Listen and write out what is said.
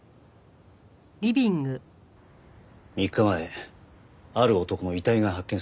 ３日前ある男の遺体が発見されました。